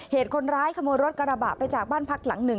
เหตุคนร้ายขโมยรถกระบะไปจากบ้านพักหลังหนึ่ง